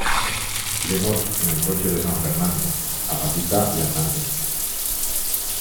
Iremos en el coche de San Fernando, a patita y andando